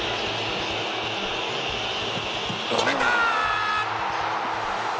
止めた。